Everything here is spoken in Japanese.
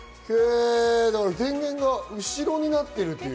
電源が後ろになっているという。